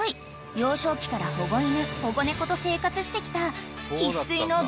幼少期から保護犬保護猫と生活してきた］